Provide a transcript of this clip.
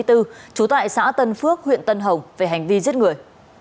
trú tại xã tân phước huyện tân hồng về hành vi giết người